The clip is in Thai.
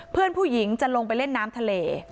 เพื่อนผู้หญิงจะลงไปเล่นน้ำทะเล